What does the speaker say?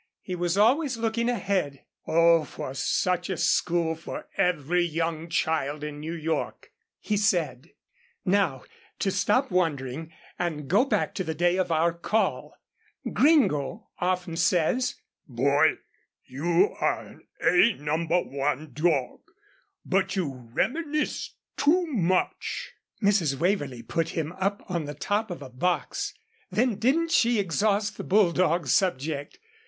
He was always looking ahead. "Oh! for such a school for every young child in New York," he said. Now, to stop wandering, and go back to the day of our call Gringo often says, "Boy, you are an A number one dog, but you reminisce too much" Mrs. Waverlee put him up on the top of a box, then didn't she exhaust the bulldog subject.